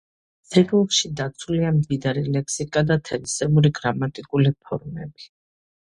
ძეგლში დაცულია მდიდარი ლექსიკა და თავისებური გრამატიკული ფორმები.